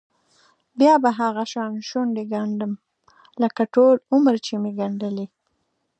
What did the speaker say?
بیا به هغه شان شونډې ګنډم لکه ټول عمر چې مې ګنډلې.